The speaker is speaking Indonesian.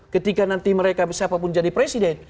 ketika nanti mereka siapapun jadi presiden